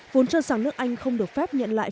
vốn cho rằng nước anh không được phép nhận lại